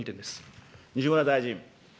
西村大臣。